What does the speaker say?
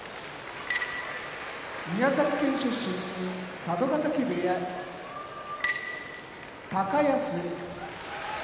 宮崎県出身佐渡ヶ嶽部屋高安